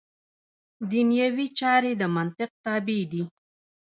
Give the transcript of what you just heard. دنیوي چارې د منطق تابع دي.